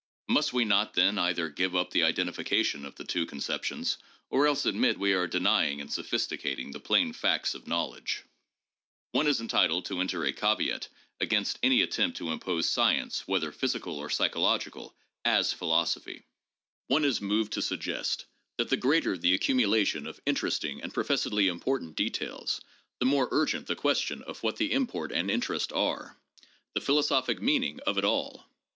Must we not, then, either give up the identification of the two conceptions, or else admit we are denying and sophisticating the plain facts of knowledge ? One is entitled to enter a caveat against any attempt to impose science, whether physical or psychological, as philosophy. One is moved to suggest that the greater the accumulation of interesting and professedly important details, the more urgent the question of what the import and interest are : the philosophic meaning of it all.